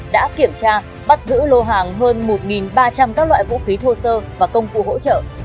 đã kiểm tra bắt giữ lô hàng hơn một ba trăm linh các loại vũ khí thô sơ và công cụ hỗ trợ